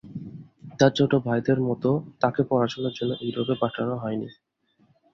তার ছোট ভাইদের মত তাকে পড়াশোনার জন্য ইউরোপ পাঠানো হয়নি।